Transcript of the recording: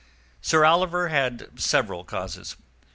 Sir Oliver had several causes.